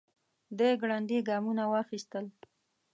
دی ګړندي ګامونه واخيستل.